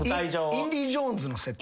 『インディ・ジョーンズ』の設定。